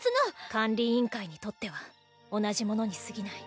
管理委員会にとっては同じものに過ぎない。